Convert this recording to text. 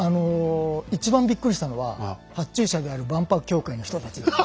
一番びっくりしたのは発注者である万博協会の人たちです。